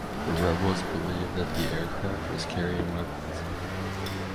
The rebels believed that the aircraft was carrying weapons.